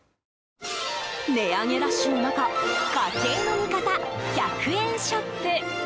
値上げラッシュの中家計の味方、１００円ショップ。